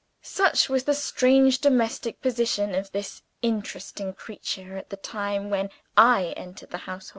Such was the strange domestic position of this interesting creature, at the time when I entered the house.